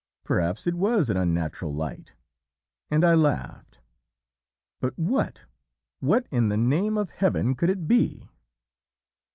Perhaps it was an unnatural light and I laughed. But what what in the name of Heaven could it be?